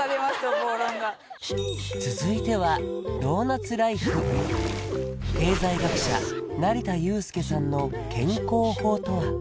暴論が続いては経済学者成田悠輔さんの健康法とは？